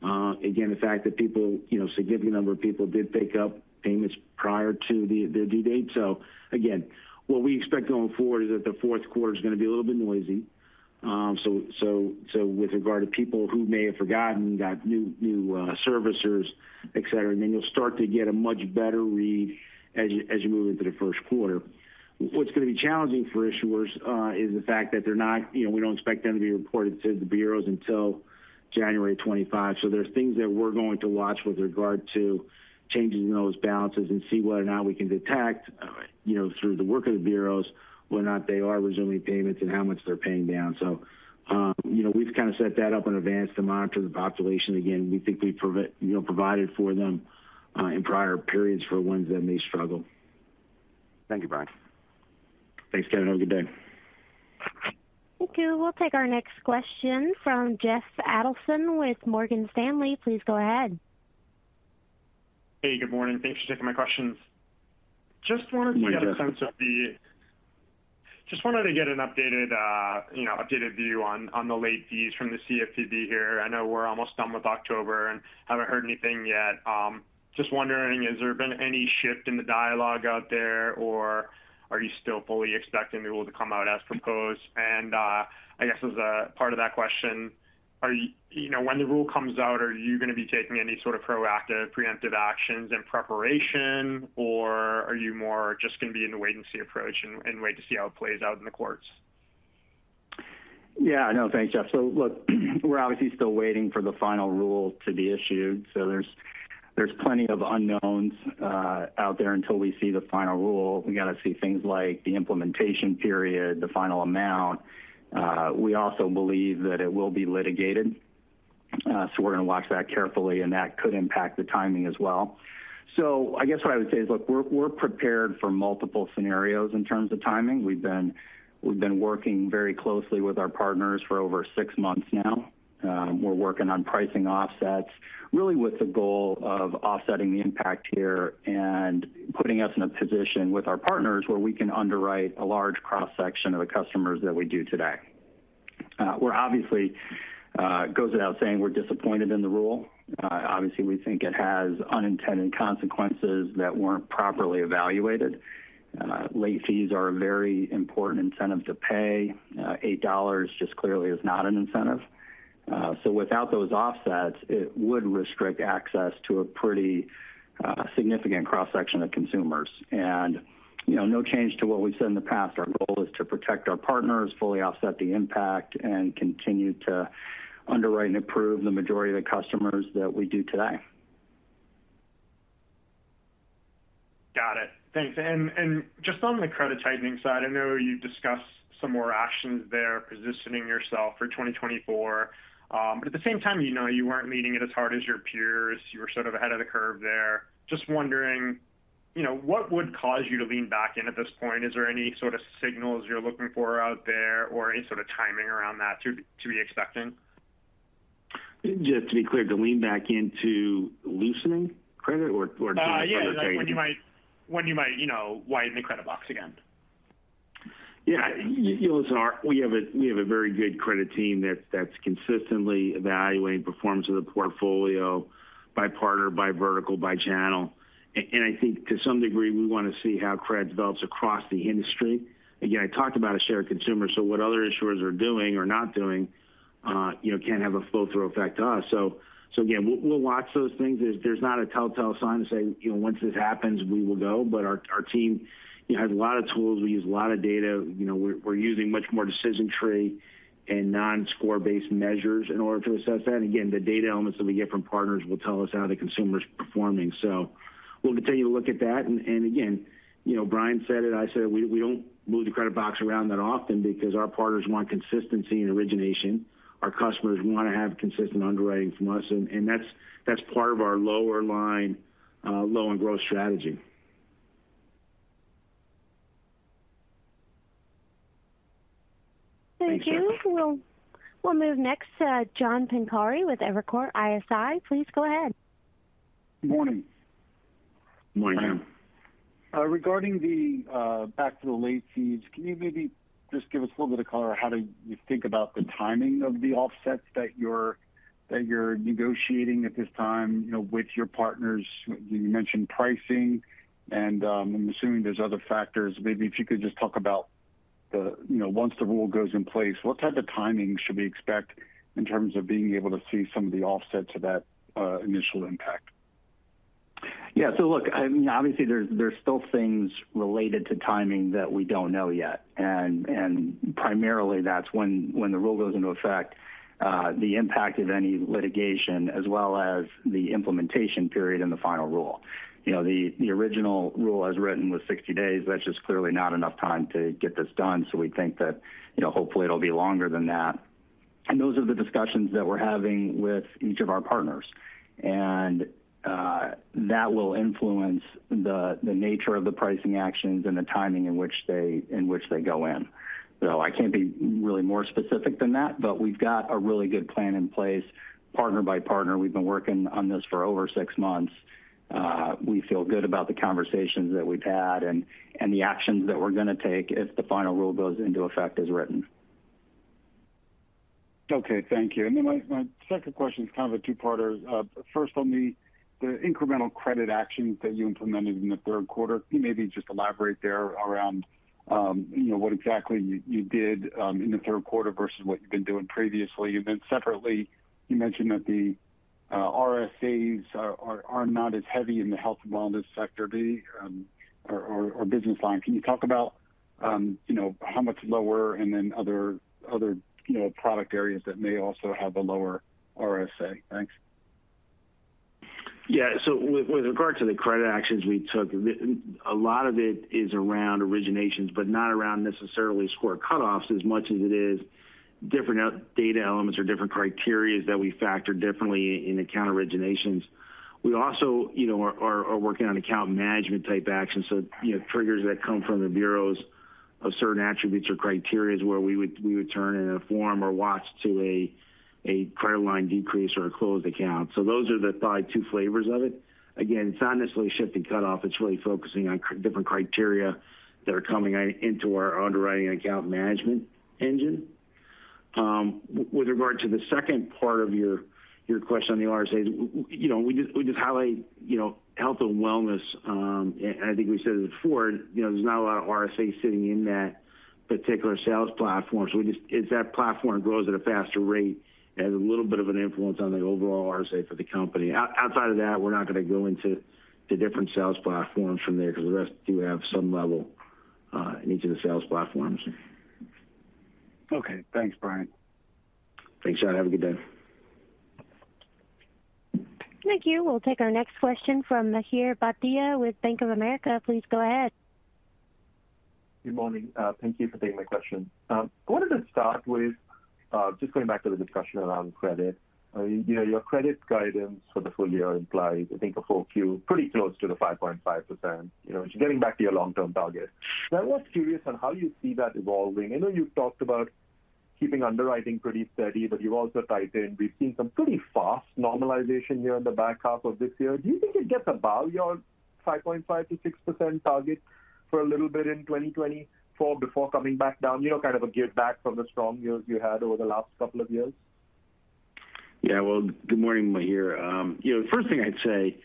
Again, the fact that people, you know, a significant number of people did pick up payments prior to the due date. Again, what we expect going forward is that the fourth quarter is going to be a little bit noisy. So, with regard to people who may have forgotten, got new, new servicers, et cetera, and then you'll start to get a much better read as you move into the first quarter. What's going to be challenging for issuers is the fact that they're not-- you know, we don't expect them to be reported to the bureaus until January 25. So there are things that we're going to watch with regard to changing those balances and see whether or not we can detect, you know, through the work of the bureaus, whether or not they are resuming payments and how much they're paying down. So, you know, we've kind of set that up in advance to monitor the population. Again, we think we provided for them in prior periods for ones that may struggle. Thank you, Brian. Thanks, Kevin. Have a good day. Thank you. We'll take our next question from Jeff Adelson with Morgan Stanley. Please go ahead. Hey, good morning. Thanks for taking my questions. Just wanted to get a sense of the- Good morning, Jeff. Just wanted to get an updated, you know, updated view on, on the late fees from the CFPB here. I know we're almost done with October and haven't heard anything yet. Just wondering, has there been any shift in the dialogue out there, or are you still fully expecting the rule to come out as proposed? I guess as a part of that question, are you-- you know, when the rule comes out, are you going to be taking any sort of proactive, preemptive actions in preparation, or are you more just going to be in the wait-and-see approach and wait to see how it plays out in the courts? Yeah, no, thanks, Jeff. So look, we're obviously still waiting for the final rule to be issued, so there's plenty of unknowns out there until we see the final rule. We got to see things like the implementation period, the final amount. We also believe that it will be litigated, so we're going to watch that carefully, and that could impact the timing as well. So I guess what I would say is, look, we're prepared for multiple scenarios in terms of timing. We've been working very closely with our partners for over six months now. We're working on pricing offsets, really with the goal of offsetting the impact here and putting us in a position with our partners where we can underwrite a large cross-section of the customers that we do today. We're obviously, it goes without saying we're disappointed in the rule. Obviously, we think it has unintended consequences that weren't properly evaluated. Late fees are a very important incentive to pay. $8 just clearly is not an incentive. So without those offsets, it would restrict access to a pretty, significant cross-section of consumers and, you know, no change to what we've said in the past. Our goal is to protect our partners, fully offset the impact, and continue to underwrite and approve the majority of the customers that we do today. Got it. Thanks. Just on the credit tightening side, I know you discussed some more actions there, positioning yourself for 2024, but at the same time, you know, you weren't leaning it as hard as your peers. You were sort of ahead of the curve there. Just wondering, you know, what would cause you to lean back in at this point? Is there any sort of signals you're looking for out there or any sort of timing around that to be expecting? Just to be clear, to lean back into loosening credit or, or- Yeah, like when you might, you know, widen the credit box again. Yeah, listen, we have a very good credit team that's consistently evaluating performance of the portfolio by partner, by vertical, by channel and I think to some degree, we want to see how credit develops across the industry. Again, I talked about a shared consumer, so what other issuers are doing or not doing, you know, can have a flow-through effect to us. So again, we'll watch those things. There's not a telltale sign to say, you know, once this happens, we will go. But our team, you know, has a lot of tools. We use a lot of data. You know, we're using much more decision tree and non-score-based measures in order to assess that. Again, the data elements that we get from partners will tell us how the consumer is performing. We'll continue to look at that. Again, you know, Brian said it, I said it, we don't move the credit box around that often because our partners want consistency in origination. Our customers want to have consistent underwriting from us, and that's part of our lower line loan growth strategy. Thank you. We'll move next to John Pancari with Evercore ISI. Please go ahead. Good morning. Good morning, John. Regarding the back to the late fees, can you maybe just give us a little bit of color on how do you think about the timing of the offsets that you're negotiating at this time, you know, with your partners? You mentioned pricing and, I'm assuming there's other factors. Maybe if you could just talk about the, you know, once the rule goes in place, what type of timing should we expect in terms of being able to see some of the offsets of that initial impact? Yeah, so look, I mean, obviously, there's still things related to timing that we don't know yet, and primarily that's when the rule goes into effect, the impact of any litigation as well as the implementation period in the final rule. You know, the original rule as written was 60 days. That's just clearly not enough time to get this done, so we think that, you know, hopefully it'll be longer than that. Those are the discussions that we're having with each of our partners, and that will influence the nature of the pricing actions and the timing in which they go in. So I can't be really more specific than that, but we've got a really good plan in place, partner by partner. We've been working on this for over six months. We feel good about the conversations that we've had and the actions that we're going to take if the final rule goes into effect as written. Okay, thank you. Then my second question is kind of a two-parter. First, on the incremental credit actions that you implemented in the third quarter, can you maybe just elaborate there around, you know, what exactly you did in the third quarter versus what you've been doing previously? Then separately, you mentioned that the RSAs are not as heavy in the Health & Wellness sector, the business line. Can you talk about, you know, how much lower and then other product areas that may also have a lower RSA? Thanks. Yeah. So with regard to the credit actions we took, a lot of it is around originations, but not around necessarily score cutoffs as much as it is different data elements or different criteria that we factor differently in account originations. We also, you know, are working on account management type actions. So, you know, triggers that come from the bureaus of certain attributes or criteria where we would turn it into a formal watch to a credit line decrease or a closed account. So those are probably the two flavors of it. Again, it's not necessarily shifting cutoffs, it's really focusing on different criteria that are coming into our underwriting and account management engine. With regard to the second part of your question on the RSAs, you know, we just highlight, you know, Health & Wellness, and I think we said it before, you know, there's not a lot of RSA sitting in that particular sales platform. So we just as that platform grows at a faster rate, it has a little bit of an influence on the overall RSA for the company. Outside of that, we're not going to go into the different sales platforms from there because the rest do have some level in each of the sales platforms. Okay, thanks, Brian. Thanks, John. Have a good day. Thank you. We'll take our next question from Mihir Bhatia with Bank of America. Please go ahead. Good morning. Thank you for taking my question. I wanted to start with, just going back to the discussion around credit. You know, your credit guidance for the full year implies, I think, a full Q4 pretty close to the 5.5%, you know, getting back to your long-term target. So I was curious on how you see that evolving. I know you've talked about keeping underwriting pretty steady, but you've also tightened. We've seen some pretty fast normalization here in the back half of this year. Do you think it gets above your 5.5%-6% target for a little bit in 2024 before coming back down? You know, kind of a giveback from the strong years you had over the last couple of years. Yeah. Well, good morning, Mihir. You know, the first thing I'd say,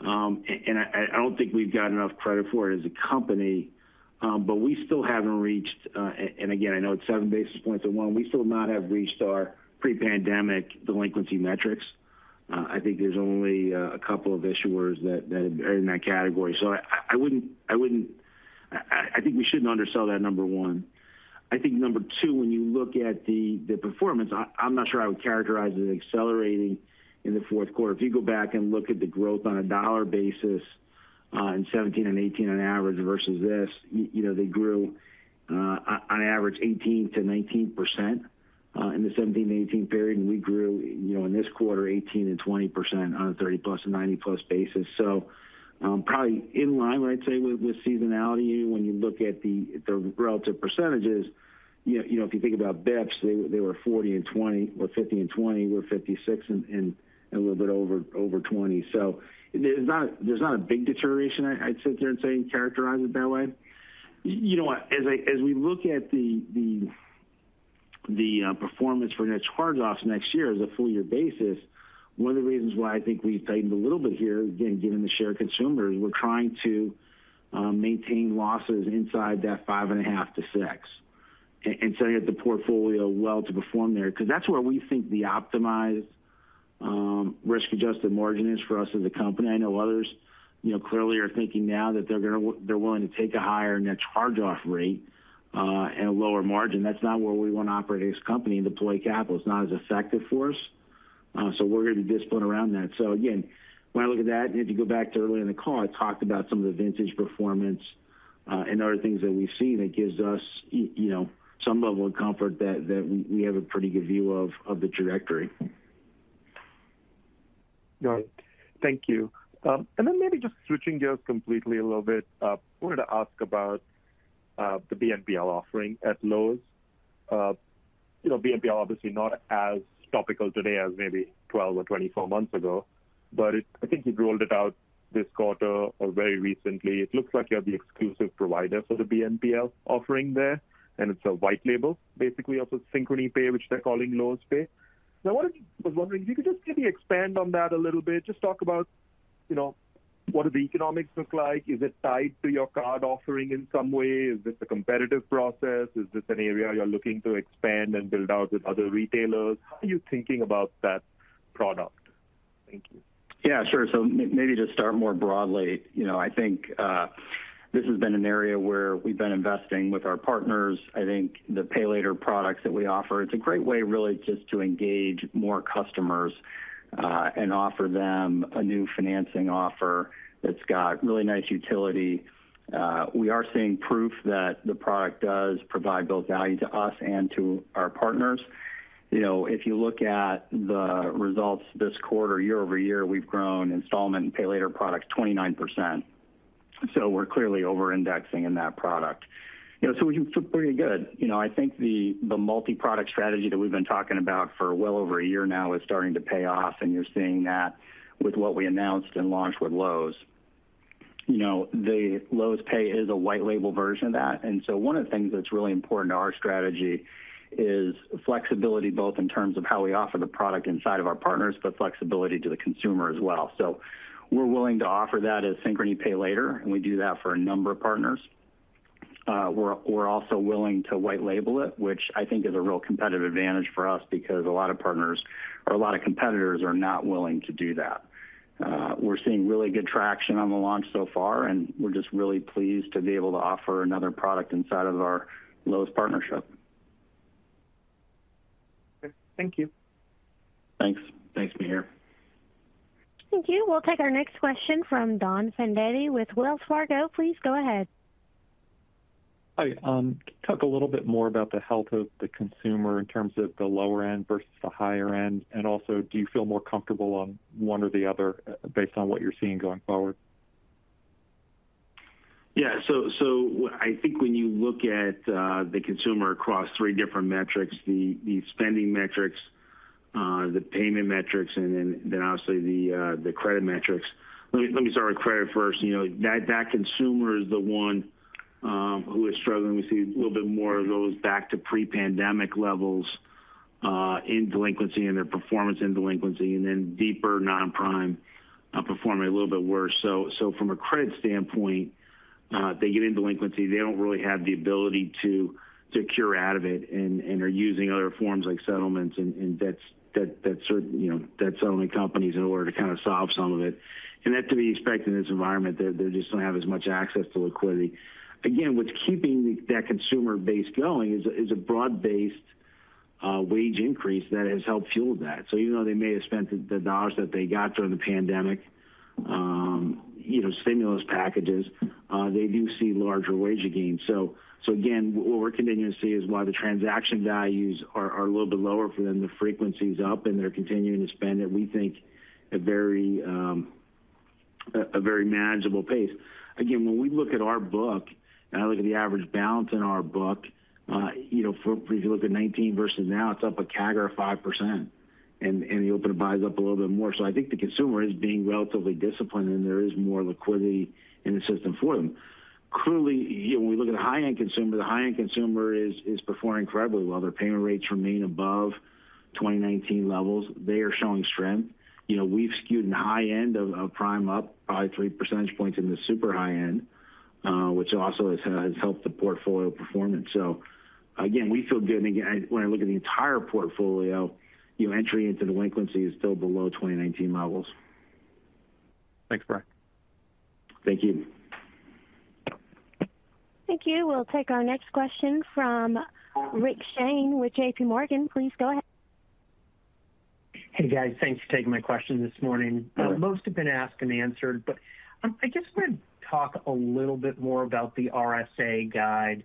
and I don't think we've got enough credit for it as a company, but we still haven't reached, and again, I know it's 7 basis points at 1, we still not have reached our pre-pandemic delinquency metrics. I think there's only a couple of issuers that are in that category. So I wouldn't, I think we shouldn't undersell that, number one. I think number two, when you look at the performance, I'm not sure I would characterize it as accelerating in the fourth quarter. If you go back and look at the growth on a dollar basis, in 2017 and 2018 on average versus this, you know, they grew, on average 18%-19%, in the 2017-2018 period, and we grew, you know, in this quarter, 18% and 20% on a 30+ and 90+ basis. So, probably in line, I'd say, with seasonality, when you look at the relative percentages, you know, if you think about bps, they were 40% and 20% or 50% and 20%, we're 56% and a little bit over 20%. So there's not a big deterioration I'd say there and characterize it that way. You know what? As we look at the performance for net charge-offs next year as a full year basis, one of the reasons why I think we've tightened a little bit here, again, given the share of consumers, we're trying to maintain losses inside that 5.5%-6% and setting up the portfolio well to perform there, because that's where we think the optimized risk-adjusted margin is for us as a company. I know others, you know, clearly are thinking now that they're going to they're willing to take a higher net charge-off rate and a lower margin. That's not where we want to operate as a company, and deploy capital is not as effective for us, so we're going to discipline around that. So again, when I look at that, and if you go back to earlier in the call, I talked about some of the vintage performance, and other things that we've seen that gives us you know, some level of comfort that we have a pretty good view of the trajectory. Got it. Thank you. Then maybe just switching gears completely a little bit. I wanted to ask about the BNPL offering at Lowe's. You know, BNPL obviously not as topical today as maybe 12 or 24 months ago, but I think you've rolled it out this quarter or very recently. It looks like you're the exclusive provider for the BNPL offering there, and it's a white label, basically off of Synchrony Pay, which they're calling Lowe's Pay. Now, what I was wondering, if you could just maybe expand on that a little bit. Just talk about, you know, what do the economics look like? Is it tied to your card offering in some way? Is this a competitive process? Is this an area you're looking to expand and build out with other retailers? How are you thinking about that product? Thank you. Yeah, sure. So maybe to start more broadly, you know, I think this has been an area where we've been investing with our partners. I think the pay later products that we offer, it's a great way, really, just to engage more customers and offer them a new financing offer that's got really nice utility. We are seeing proof that the product does provide both value to us and to our partners. You know, if you look at the results this quarter, year-over-year, we've grown installment and pay later products 29%. So we're clearly over-indexing in that product. You know, so we feel pretty good. You know, I think the multiproduct strategy that we've been talking about for well over a year now is starting to pay off, and you're seeing that with what we announced and launched with Lowe's. You know, the Lowe's Pay is a white label version of that, and so one of the things that's really important to our strategy is flexibility, both in terms of how we offer the product inside of our partners, but flexibility to the consumer as well. So we're willing to offer that as Synchrony Pay Later, and we do that for a number of partners. We're also willing to white label it, which I think is a real competitive advantage for us because a lot of partners or a lot of competitors are not willing to do that. We're seeing really good traction on the launch so far, and we're just really pleased to be able to offer another product inside of our Lowe's partnership. Okay, thank you. Thanks. Thanks, Mihir. Thank you. We'll take our next question from Don Fandetti with Wells Fargo. Please go ahead. Hi. Talk a little bit more about the health of the consumer in terms of the lower end versus the higher end, and also, do you feel more comfortable on one or the other based on what you're seeing going forward? Yeah, so I think when you look at the consumer across three different metrics: the spending metrics, the payment metrics, and then obviously the credit metrics. Let me start with credit first. You know, that consumer is the one who is struggling. We see a little bit more of those back to pre-pandemic levels in delinquency and their performance in delinquency, and then deeper non-prime performing a little bit worse. So from a credit standpoint, they get in delinquency, they don't really have the ability to cure out of it and are using other forms like settlements and debt settlement companies in order to kind of solve some of it. That to be expected in this environment, they just don't have as much access to liquidity. Again, what's keeping that consumer base going is a broad-based wage increase that has helped fuel that. So even though they may have spent the dollars that they got during the pandemic, you know, stimulus packages, they do see larger wage gains. So again, what we're continuing to see is while the transaction values are a little bit lower for them, the frequency is up, and they're continuing to spend at, we think, a very manageable pace. Again, when we look at our book, and I look at the average balance in our book, you know, if you look at 2019 versus now, it's up a CAGR of 5%, and the open to buy is up a little bit more. So I think the consumer is being relatively disciplined, and there is more liquidity in the system for them. Clearly, you know, when we look at the high-end consumer, the high-end consumer is performing incredibly well. Their payment rates remain above 2019 levels. They are showing strength. You know, we've skewed the high end of prime up by three percentage points in the super high end, which also has helped the portfolio performance. So again, we feel good. Again, when I look at the entire portfolio, you know, entry into delinquency is still below 2019 levels. Thanks, Brian. Thank you. Thank you. We'll take our next question from Rick Shane with J.P. Morgan. Please go ahead. Hey, guys. Thanks for taking my question this morning. Sure. Most have been asked and answered, but I just want to talk a little bit more about the RSA guide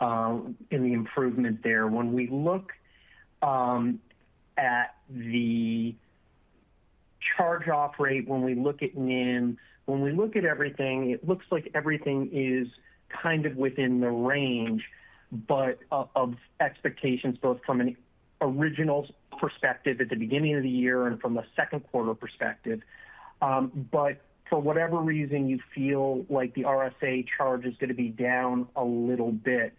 and the improvement there. When we look at the charge-off rate, when we look at NIM, when we look at everything, it looks like everything is kind of within the range, but of expectations both from an original perspective at the beginning of the year and from a second quarter perspective. But for whatever reason, you feel like the RSA charge is going to be down a little bit.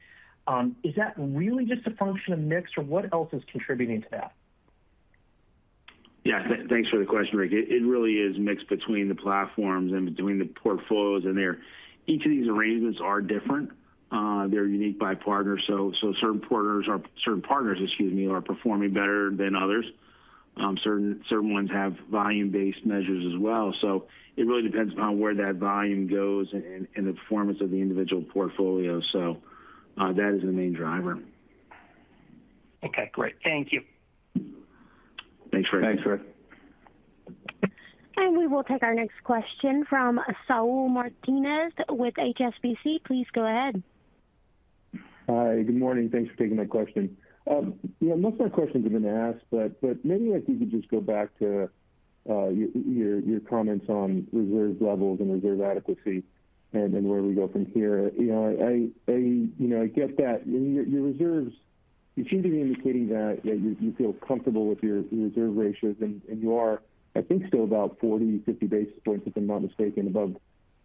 Is that really just a function of mix, or what else is contributing to that? Yeah, thanks for the question, Rick. It really is a mix between the platforms and between the portfolios and each of these arrangements are different. They're unique by partner, so certain partners, excuse me, are performing better than others. Certain ones have volume-based measures as well, so it really depends upon where that volume goes and the performance of the individual portfolio. So, that is the main driver. Okay, great. Thank you. Thanks, Rick. Thanks, Rick. We will take our next question from Saul Martinez with HSBC. Please go ahead. Hi, good morning. Thanks for taking my question. Yeah, most of my questions have been asked, but maybe I think we just go back to your comments on reserve levels and reserve adequacy and where we go from here. You know, I get that your reserves, you seem to be indicating that you feel comfortable with your reserve ratios and you are, I think, still about 40-50 basis points, if I'm not mistaken, above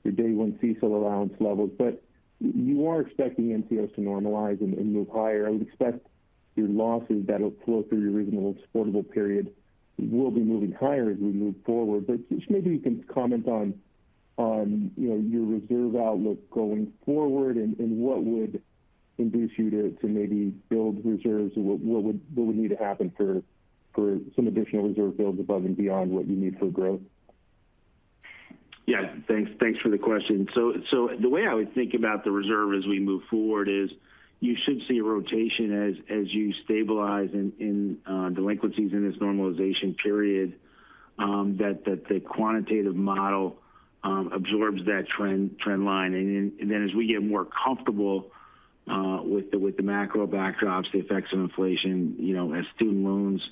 your day one CECL allowance levels. But you are expecting NCOs to normalize and move higher. I would expect your losses that will flow through your reasonable and supportable period will be moving higher as we move forward. But just maybe you can comment on, you know, your reserve outlook going forward and what would induce you to maybe build reserves or what would need to happen for some additional reserve builds above and beyond what you need for growth? Yeah, thanks. Thanks for the question. So the way I would think about the reserve as we move forward is you should see a rotation as you stabilize in delinquencies in this normalization period, that the quantitative model absorbs that trend line. Then as we get more comfortable with the macro backdrops, the effects of inflation, you know, as student loans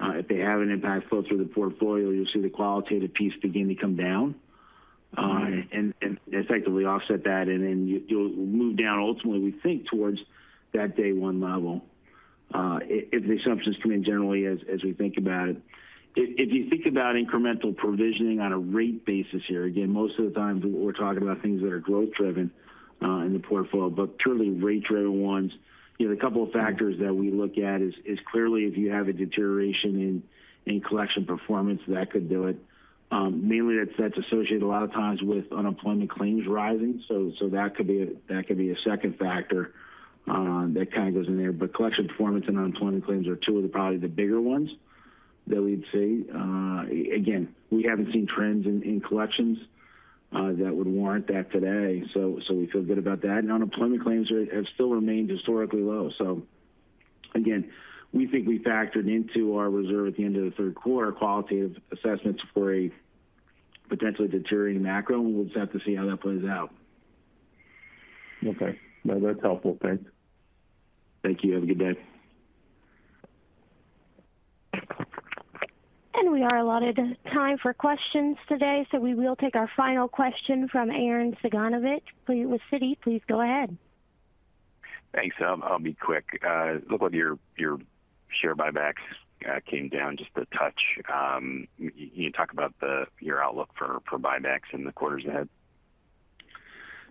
if they have an impact flow through the portfolio, you'll see the qualitative piece begin to come down and effectively offset that, and then you'll move down. Ultimately, we think towards that day one level, if the assumptions come in generally as we think about it. If you think about incremental provisioning on a rate basis here, again, most of the time we're talking about things that are growth-driven, in the portfolio, but truly rate-driven ones. You know, a couple of factors that we look at is clearly if you have a deterioration in collection performance, that could do it. Mainly that's associated a lot of times with unemployment claims rising. So that could be a second factor, that kind of goes in there. But collection performance and unemployment claims are two of the, probably the bigger ones that we'd see. Again, we haven't seen trends in collections that would warrant that today, so we feel good about that, and unemployment claims have still remained historically low. So again, we think we factored into our reserve at the end of the third quarter qualitative assessments for a potentially deteriorating macro, and we'll just have to see how that plays out. Okay. No, that's helpful. Thanks. Thank you. Have a good day. We are allotted time for questions today, so we will take our final question from Arren Cyganovich, with Citi. Please go ahead. Thanks. I'll be quick. It looked like your share buybacks came down just a touch. You talk about your outlook for buybacks in the quarters ahead?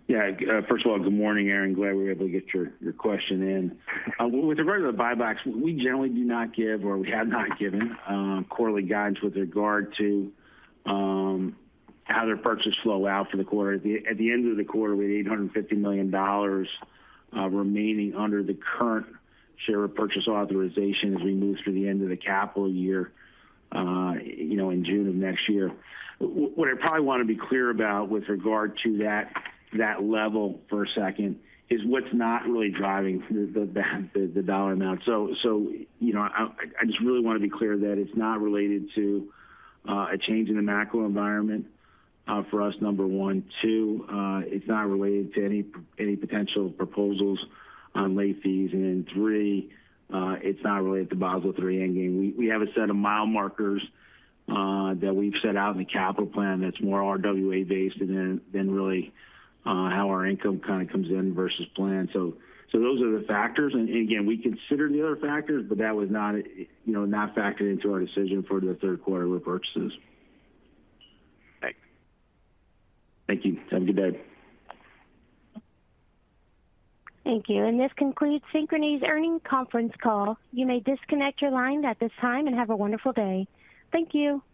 Yeah. First of all, good morning, Arren. Glad we were able to get your, your question in. With regard to the buybacks, we generally do not give or we have not given quarterly guidance with regard to how their purchases flow out for the quarter. At the end of the quarter, we had $850 million remaining under the current share repurchase authorization as we move to the end of the capital year, you know, in June of next year. What I probably want to be clear about with regard to that level for a second, is what's not really driving the dollar amount. So, you know, I just really want to be clear that it's not related to a change in the macro environment for us, number one. Two, it's not related to any, any potential proposals on late fees. Then three, it's not related to Basel III Endgame. We have a set of mile markers, that we've set out in the capital plan that's more RWA based than really, how our income kind of comes in versus plan. So those are the factors and again, we consider the other factors, but that was not, you know, not factored into our decision for the third quarter repurchases. Thanks. Thank you. Have a good day. Thank you. This concludes Synchrony's earnings conference call. You may disconnect your lines at this time and have a wonderful day. Thank you.